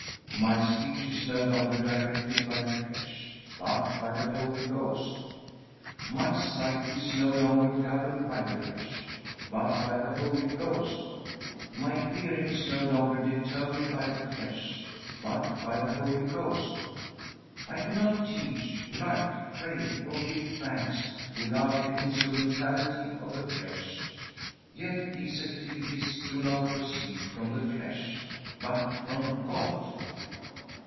"My speech is no longer directed by the flesh, but by the Holy Ghost. My sight is no longer governed by the flesh, but by the Holy Ghost. My hearing is no longer determined by the flesh, but by the Holy Ghost. I cannot teach, write, pray, or give thanks without the instrumentality of the flesh; yet these activities do not proceed from the flesh, but from God."